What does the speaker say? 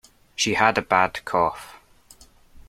She had a bad cough.